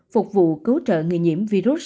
phục vụ cứu trợ người nhiễm virus sars